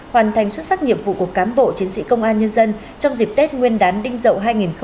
hoàn thành xuất sắc nhiệm vụ của cám bộ chiến sĩ công an nhân dân trong dịp tết nguyên đán đinh dậu hai nghìn một mươi bảy